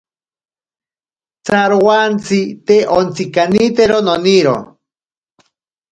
Tsarowantsi te ontsikanitero noniro.